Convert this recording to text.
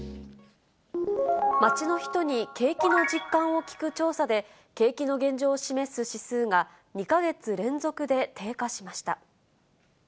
街の人に景気の実感を聞く調査で、景気の現状を示す指数が、２か月連続で低下しました。